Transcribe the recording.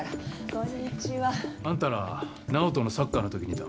こんにちは。あんたら直人のサッカーのときにいた？